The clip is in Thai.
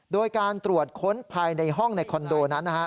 โดยการตรวจค้นภายในห้องในคอนโดนั้นนะฮะ